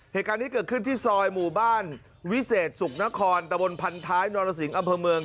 เหตุการณ์นี้เกิดขึ้นที่ซอยหมู่บ้านวิเศษสุขนครตะบนพันท้ายนรสิงห์อำเภอเมือง